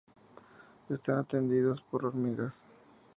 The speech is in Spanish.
Están atendidos por hormigas.